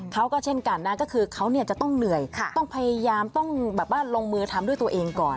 เขาก็เช่นกันนะก็คือเขาจะต้องเหนื่อยต้องพยายามต้องแบบว่าลงมือทำด้วยตัวเองก่อน